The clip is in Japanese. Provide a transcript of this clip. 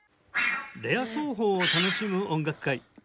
レア奏法を楽しむ音楽会」